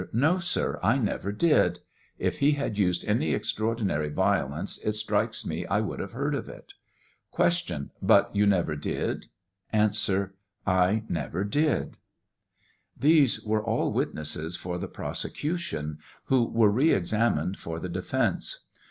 No, sir ; I never did. »Xf he had used any extraordinary violence it strikes me I would have heard of it. Q. But you never did 1 A. I never did. These were all witnesses for the prosecution, who were re examined for the defence.